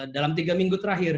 dalam tiga minggu terakhir